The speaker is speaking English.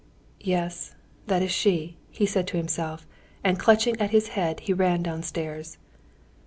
"Yes, that is she," he said to himself, and clutching at his head he ran downstairs.